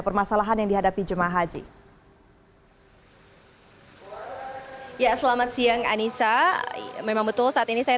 permasalahan yang dihadapi jemaah haji ya selamat siang anissa memang betul saat ini saya